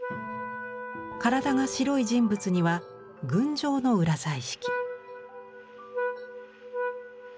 体が白い人物には群青の裏彩色。